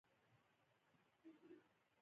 د کرکر کان سکاره څنګه کیفیت لري؟